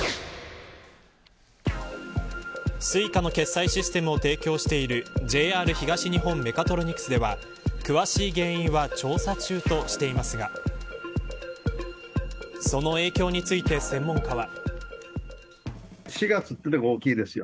Ｓｕｉｃａの決済システムを提供しているＪＲ東日本メカトロニクスでは詳しい原因は調査中としていますがその影響について専門家は。